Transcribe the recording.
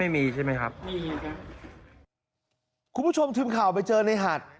ไม่มีใช่ไหมครับคุณผู้ชมทิ้งข่าวไปเจอในหัด